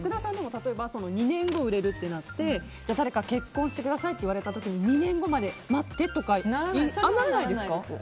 例えば２年後売れるってなって誰か結婚してくださいって言われた時に２年後まで待ってとかならないですか？